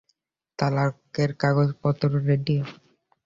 তালাকের কাগজপত্র রেডি।